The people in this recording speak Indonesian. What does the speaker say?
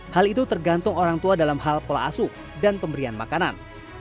hal itu tergantung orang tua dalam hal pola asuh dan pemberian makanan